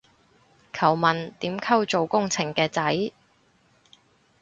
求問點溝做工程嘅仔